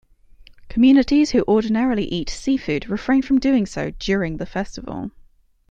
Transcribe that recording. Communities who ordinarily eat seafood refrain from doing so during the festival.